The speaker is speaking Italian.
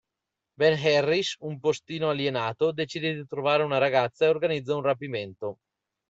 Ben Harris, un postino alienato, decide di trovare una ragazza e organizza un rapimento.